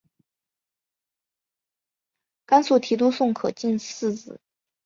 甘肃提督宋可进嗣子。